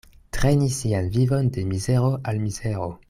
Treni sian vivon de mizero al mizero.